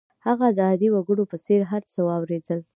هغه د عادي وګړو په څېر هر څه واورېدل